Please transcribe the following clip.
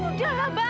udah lah bang